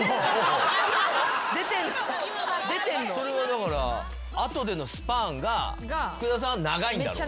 それはだから「後で」のスパンが福田さんは長いんだろうね。